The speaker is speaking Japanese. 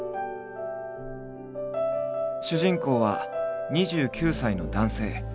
主人公は２９歳の男性。